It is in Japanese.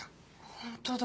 本当だ。